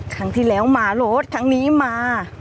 ครั้งที่แล้วมารถครั้งนี้มา